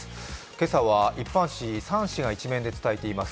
今朝は一般紙３紙が１面で伝えています